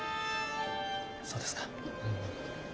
そうですか。